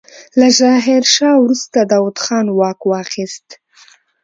له ظاهرشاه وروسته داوود خان واک واخيست.